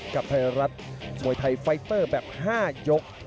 กับไทยรัฐมวยไทยไฟเตอร์แบบ๕ยก